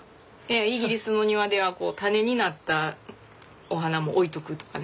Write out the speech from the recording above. イギリスの庭では種になったお花も置いとくとかね。